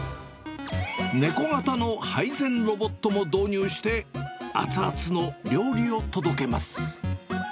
ネコ型の配膳ロボットも導入して、熱々の料理を届けます。